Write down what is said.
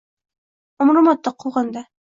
Umrimo’tdi quvrinda.